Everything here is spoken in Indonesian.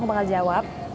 aku bakal jawab